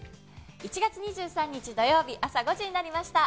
１月２３日土曜日、朝５時になりました。